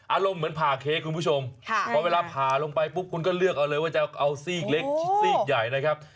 อารมณ์เหมือนผ่าเค้พูดผู้ชมเพราะเวลาผ่าลงไปปุ๊บคุณก็ให้เลือกเอาสี่กเล็กสี่กใหญ่นะครับ